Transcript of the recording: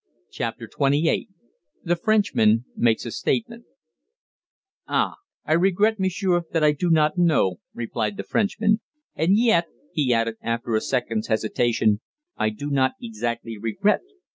CHAPTER TWENTY EIGHT THE FRENCHMAN MAKES A STATEMENT "Ah! I regret, m'sieur, that I do not know," replied the Frenchman. "And yet," he added, after a second's hesitation, "I do not exactly regret.